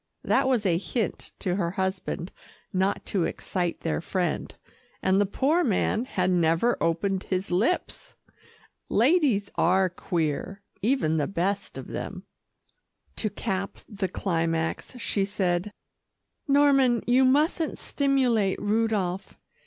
That was a hint to her husband not to excite their friend, and the poor man had never opened his lips. Ladies are queer, even the best of them. To cap the climax, she said, "Norman, you mustn't stimulate Rudolph.